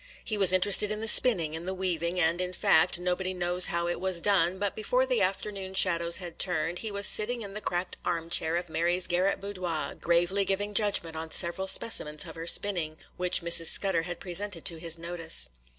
He was interested in the spinning, in the weaving,—and, in fact, nobody knows how it was done, but before the afternoon shadows had turned, he was sitting in the cracked arm chair of Mary's garret boudoir, gravely giving judgment on several specimens of her spinning, which Mrs. Scudder had presented to his notice.